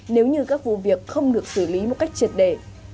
nếu như các vụ việc không được xử lý một cách triệt đề